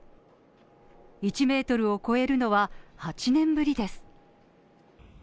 １ｍを超えるのは、８年ぶりです。